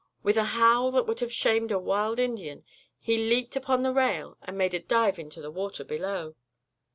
With a howl that would have shamed a wild Indian he leaped upon the rail and made a dive into the water below.